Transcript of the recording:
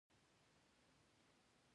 آیا هوا ککړه نه ده؟